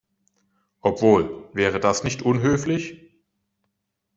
Obwohl, wäre das nicht unhöflich?